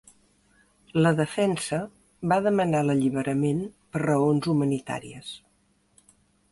La defensa va demanar l’alliberament per raons humanitàries.